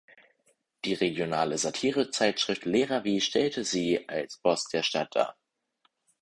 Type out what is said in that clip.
Die regionale Satirezeitschrift "Le Ravi" stellt sie als Boss der Stadt dar.